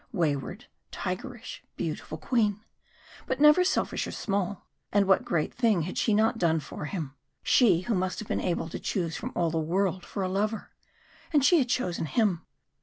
Wayward, tigerish, beautiful Queen. But never selfish or small. And what great thing had she not done for him she who must have been able to choose from all the world a lover and she had chosen him.